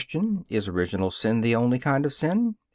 Is original sin the only kind of sin?